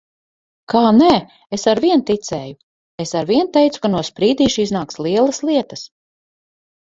Kā nē? Es arvien ticēju! Es arvien teicu, ka no Sprīdīša iznāks lielas lietas.